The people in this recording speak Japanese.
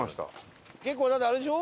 結構だってあれでしょ？